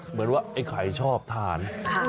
เหมือนว่าไอ้ไข่ชอบทาน